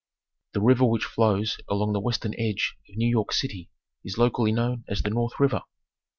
The river which flows along the western edge of New York City is locally known as the North River.